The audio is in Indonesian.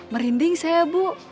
merinding saya bu